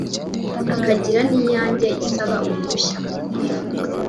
akagira n’iyanjye isaba uruhushya